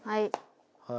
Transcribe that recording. はい。